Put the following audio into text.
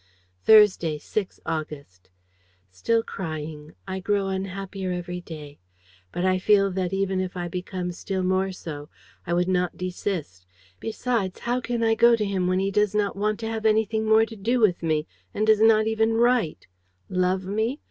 ... "Thursday, 6 August. "Still crying. I grow unhappier every day. But I feel that, even if I became still more so, I would not desist. Besides, how can I go to him when he does not want to have anything more to do with me and does not even write? Love me?